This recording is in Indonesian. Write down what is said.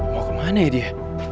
mau kemana ya dia